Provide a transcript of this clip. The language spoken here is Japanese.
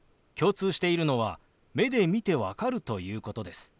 共通しているのは目で見て分かるということです。